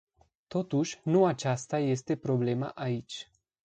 Totuși, nu aceasta este problema aici.